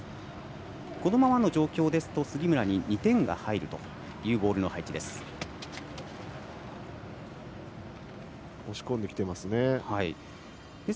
このままの状況ですと杉村に２点が入るというボールの配置です。